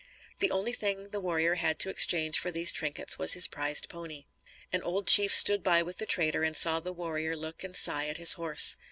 The only thing the warrior had to exchange for these trinkets, was his prized pony. An old chief stood by with the trader and saw the warrior look and sigh at his horse.